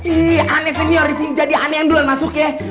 ih aneh senior di sini jadi aneh yang duluan masuk ya